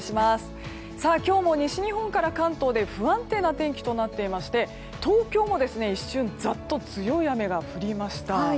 今日も西日本から関東で不安定な天気となっていまして東京も一瞬ざっと強い雨が降りました。